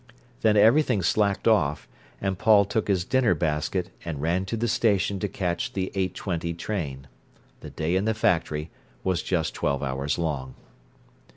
Then everything slacked off, and Paul took his dinner basket and ran to the station to catch the eight twenty train. The day in the factory was just twelve hours long.